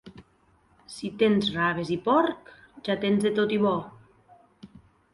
Si tens raves i porc ja tens de tot i bo.